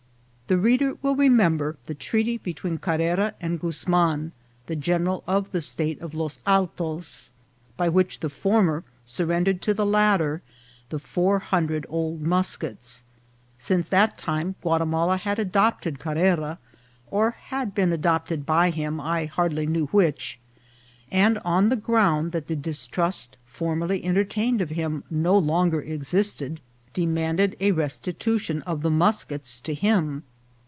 The reader will remember the treaty between Carrera and Guz man, the general of the State of Los Altos, by which the former surrendered to the latter four hundred old muskets. Since that time Guatimala had adopted Car rera (or had been adopted by him, I hardly know which), and, on the ground that the distrust formerly entertained of him no longer existed, demanded a res 108 INCIDENTS OF TRAVEL. titution of the muskets to him.